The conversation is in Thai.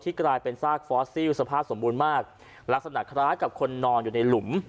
กลายเป็นซากฟอสซิลสภาพสมบูรณ์มากลักษณะคล้ายกับคนนอนอยู่ในหลุม